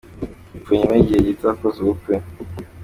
Apfuye nyuma y’igihe gito akoze ubukwe.